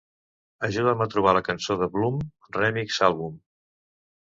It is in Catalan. Ajuda'm a trobar la cançó de Bloom: Remix: Album.